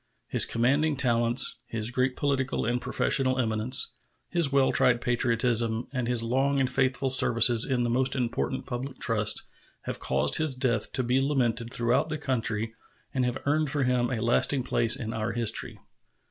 His commanding talents, his great political and professional eminence, his well tried patriotism, and his long and faithful services in the most important public trusts have caused his death to be lamented throughout the country and have earned for him a lasting place in our history.